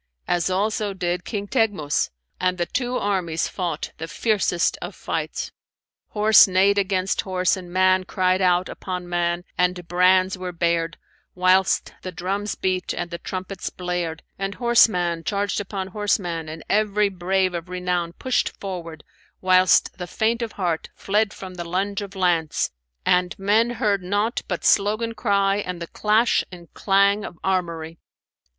as also did King Teghmus, and the two armies fought the fiercest of fights. Horse neighed against horse and man cried out upon man and brands were bared, whilst the drums beat and the trumpets blared; and horseman charged upon horseman and every brave of renown pushed forward, whilst the faint of heart fled from the lunge of lance and men heard nought but slogan cry and the clash and clang of armoury.